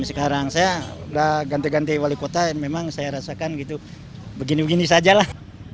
sekarang saya udah ganti ganti wali kota memang saya rasakan gitu begini begini saja lah